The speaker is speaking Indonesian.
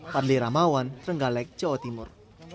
parli ramawan renggalek jawa timur